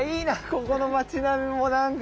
ここの町並みもなんか。